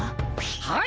はい！